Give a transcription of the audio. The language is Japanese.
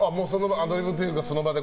アドリブというか、その場で？